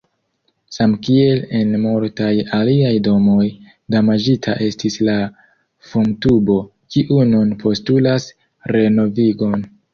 Samkiel en multaj aliaj domoj, damaĝita estis la fumtubo, kiu nun postulas renovigon.